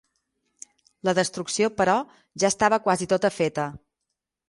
La destrucció però ja estava quasi tota feta.